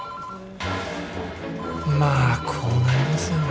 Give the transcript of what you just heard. ☎まあこうなりますよね。